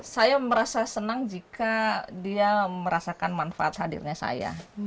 saya merasa senang jika dia merasakan manfaat hadirnya saya